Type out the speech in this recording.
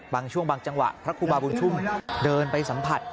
บางช่วงบางจังหวะพระครูบาบุญชุ่มเดินไปสัมผัส